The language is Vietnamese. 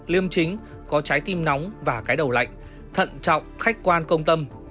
liêm chính có trái tim nóng và cái đầu lạnh thận trọng khách quan công tâm